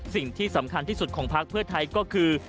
สิ่งที่สำคัญที่สุดของพักเพื่อไทยก็คือ